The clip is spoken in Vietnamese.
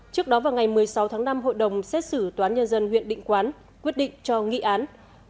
trước đó vào ngày một mươi sáu tháng năm hội đồng xét xử toán nhân dân huyện định quán quyết định cho nghị án